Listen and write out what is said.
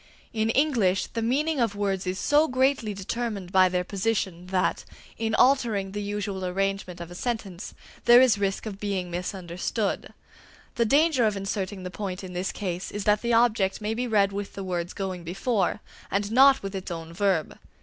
In English, the meaning of words is so greatly determined by their position that, in altering the usual arrangement of a sentence, there is risk of being misunderstood. The danger of inserting the point in this case is that the object may be read with the words going before, and not with its own verb.